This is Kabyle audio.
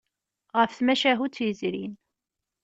Ɣef tmacahut yezrin.